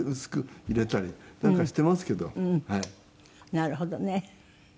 なるほどね。